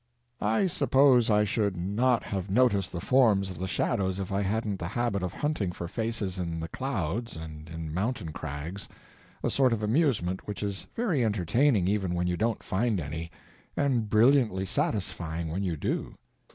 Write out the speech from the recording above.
I suppose I should not have noticed the forms of the shadows if I hadn't the habit of hunting for faces in the clouds and in mountain crags—a sort of amusement which is very entertaining even when you don't find any, and brilliantly satisfying when you do.